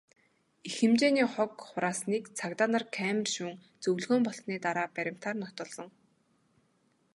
Их хэмжээний хог хураасныг цагдаа нар камер шүүн, зөвлөгөөн болсны дараа баримтаар нотолсон.